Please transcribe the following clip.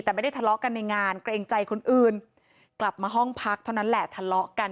แต่ไม่ได้ทะเลาะกันในงานเกรงใจคนอื่นกลับมาห้องพักเท่านั้นแหละทะเลาะกัน